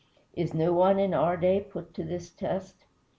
Is no one in our day put to this test?